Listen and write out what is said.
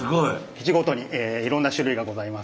基地ごとにいろんな種類がございます。